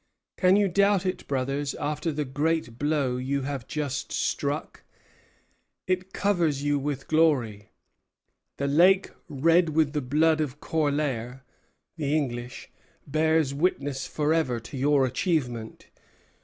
Can you doubt it, brothers, after the great blow you have just struck? It covers you with glory. The lake, red with the blood of Corlaer [the English] bears witness forever to your achievement.